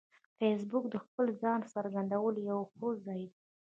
فېسبوک د خپل ځان څرګندولو یو ښه ځای دی